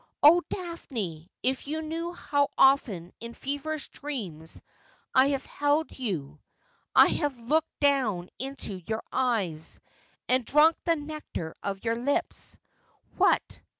Oh Daphne, if you knew how often in feverish dreams I have held you thus ; I have looked down into your eyes, and drunk the nectar of your lips. What